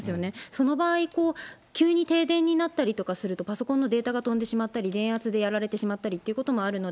その場合、急に停電になったりとかすると、パソコンのデータが飛んでしまったり、電圧でやられてしまったりっていうこともあるの